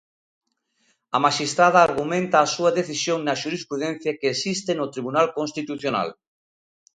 A maxistrada argumenta a súa decisión na xurisprudencia que existe no Tribunal Constitucional.